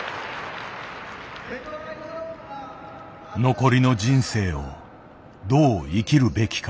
残りの人生をどう生きるべきか。